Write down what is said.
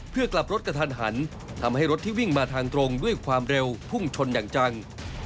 เพื่อกลับรถกระทันหันทำให้รถที่วิ่งมาทางตรงด้วยความเร็วพุ่งชนอย่างจัง